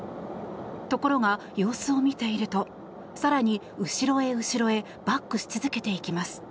ところが、様子を見ていると更に後ろへ後ろへバックし続けていきます。